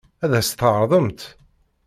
Ad as-t-tɛeṛḍemt?